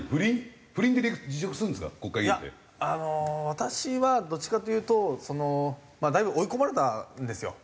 私はどっちかというとだいぶ追い込まれたんですよ。